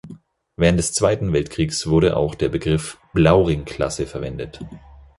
Während des Zweiten Weltkrieges wurde auch der Begriff "Blauring-Klasse" verwendet.